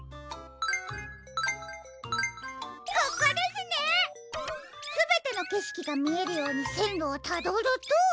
すべてのけしきがみえるようにせんろをたどると。